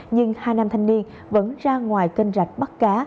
nhưng hai nam thanh niên vẫn ra ngoài kênh rạch bắt cá